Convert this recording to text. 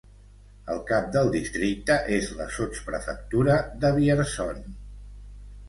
El cap del districte és la sotsprefectura de Vierzon.